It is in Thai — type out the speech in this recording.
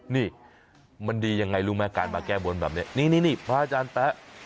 นี่มันดียังไงรู้ไหมการมาแก้บนแบบนี้นี่พระอาจารย์แป๊ะ